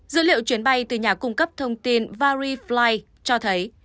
dữ liệu chuyến bay từ nhà cung cấp thông tin varifly cho thấy